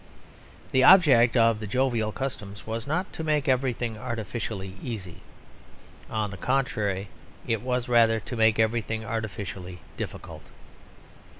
The object of the jovial customs was not to make everything artificially easy: on the contrary, it was rather to make everything artificially difficult.